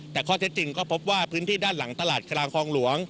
แต่ข้อเท็จจริงก็พบว่าพื้นที่ด้านหลังตลาดกลางคลองหลวง